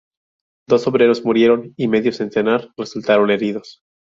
Dos obreros murieron y medio centenar resultaron heridos.